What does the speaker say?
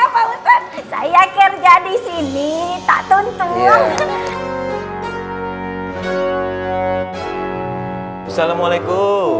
mau pak ustaz mau